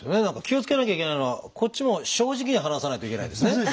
何か気をつけなきゃいけないのはこっちも正直に話さないといけないんですね。